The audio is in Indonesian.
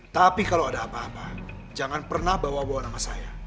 tapi kalau ada apa apa jangan pernah bawa bawa nama saya